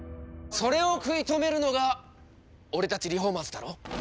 それを食い止めるのが俺たちリフォーマーズだろ。